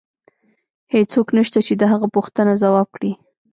هیڅوک نشته چې د هغه پوښتنه ځواب کړي